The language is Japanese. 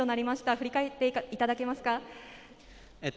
振り返っていただけますか？